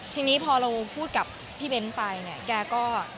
ทีนี้พอเราพูดกับพี่เบ้นไปเนี่ยแกก็